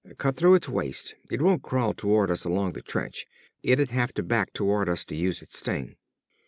Cut through its waist. It won't crawl toward us along the trench. It'd have to back toward us to use its sting."